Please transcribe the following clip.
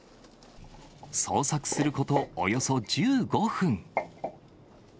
捜索することおよそ１５分。